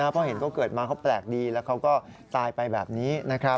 เพราะเห็นเขาเกิดมาเขาแปลกดีแล้วเขาก็ตายไปแบบนี้